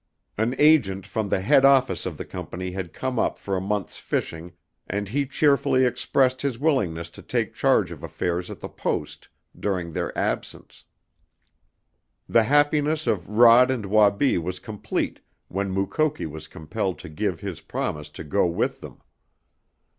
An agent from the head office of the Company had come up for a month's fishing and he cheerfully expressed his willingness to take charge of affairs at the Post during their absence. The happiness of Rod and Wabi was complete when Mukoki was compelled to give his promise to go with them.